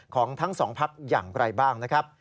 ของทั้งสองพักอย่างไกลบ้าง